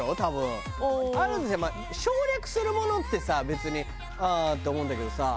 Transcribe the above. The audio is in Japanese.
まあ省略するものってさ別に「ああ」って思うんだけどさ。